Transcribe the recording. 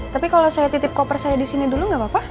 tapi kalau saya titip koper saya disini dulu gak apa apa